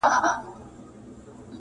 تږي شپې مي پی کړې د سبا په سرابونو کي!.